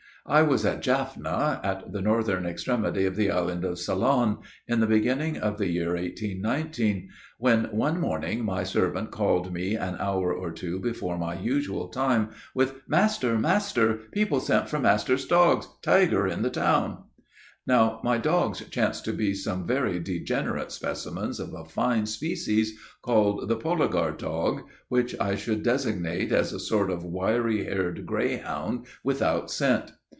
"I was at Jaffna, at the northern extremity of the Island of Ceylon, in the beginning of the year 1819: when, one morning, my servant called me an hour or two before my usual time, with, 'Master, master! people sent for master's dogs tiger in the town!' Now, my dogs chanced to be some very degenerate specimens of a fine species, called the Poligar dog, which I should designate as a sort of wiry haired grayhound, without scent.